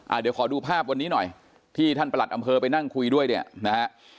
เดี๋ยวขอดูภาพวันนี้หน่อยที่ท่านประหลัดอำเภอไปนั่งคุยด้วยเนี่ยนะฮะ